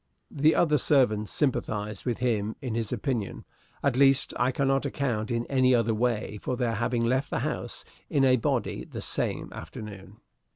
The other servants sympathized with him in his opinion at least, I can not account in any other way for their having left the house in a body the same afternoon.